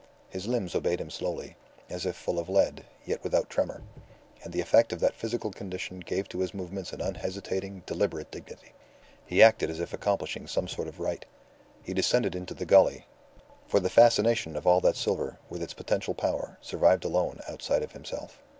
His limbs obeyed him slowly, as if full of lead, yet without tremor; and the effect of that physical condition gave to his movements an unhesitating, deliberate dignity. He acted as if accomplishing some sort of rite. He descended into the gully; for the fascination of all that silver, with its potential power, survived alone outside of himself.